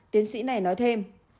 tiến sĩ này nói thêm